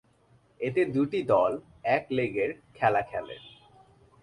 এতে দু'টি দল এক-লেগের খেলা খেলে।